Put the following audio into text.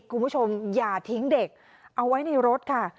คุณผู้ชมอย่าทิ้งเด็กเอาไว้ในรถค่ะ